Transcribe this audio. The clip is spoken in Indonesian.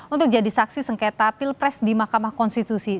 untuk jadi saksi sengketa pilpres di mahkamah konstitusi